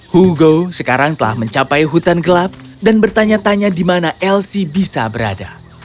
hugo sekarang telah mencapai hutan gelap dan bertanya tanya di mana elsie bisa berada